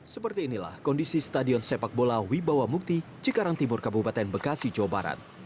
seperti inilah kondisi stadion sepak bola wibawa mukti cikarang timur kabupaten bekasi jawa barat